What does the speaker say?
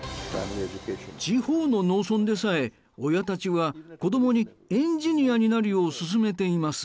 地方の農村でさえ親たちは子供にエンジニアになるよう勧めています。